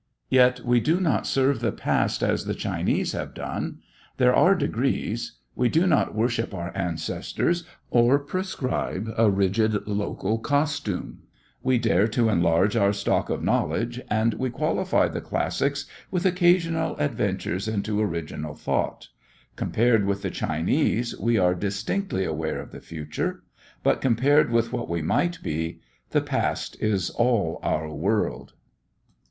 Yet we do not serve the past as the Chinese have done. There are degrees. We do not worship our ancestors or prescribe a rigid local costume; we dare to enlarge our stock of knowledge, and we qualify the classics with occasional adventures into original thought. Compared with the Chinese we are distinctly aware of the future. But compared with what we might be, the past is all our world.